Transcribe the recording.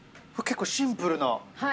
結構シンプルな。